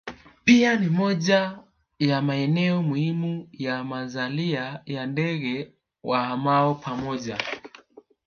Pia ni moja ya maeneo muhimu ya mazalia ya ndege wahamao pamoja